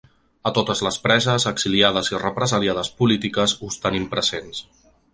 A totes les preses, exiliades i represaliades polítiques us tenim presents.